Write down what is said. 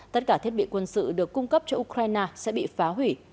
tất cả thiết bị quân sự được cung cấp cho ukraine sẽ bị phá hủy